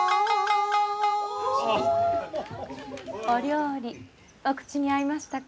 お料理お口に合いましたか？